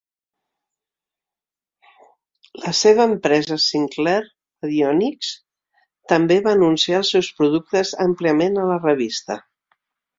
La seva empresa, Sinclair Radionics, també va anunciar els seus productes àmpliament a la revista.